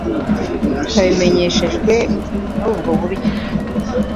twabimenyeshejwe muri ubwo buryo.